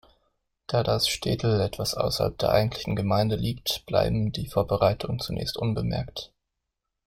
Da das Schtetl etwas außerhalb der eigentlichen Gemeinde liegt, bleiben die Vorbereitungen zunächst unbemerkt.